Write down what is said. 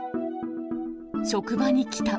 職場に来た。